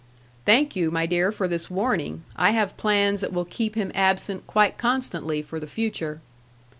"Thank you, my dear, for this warning. I have plans that will keep him absent quite constantly for the future."